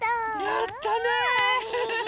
やったね！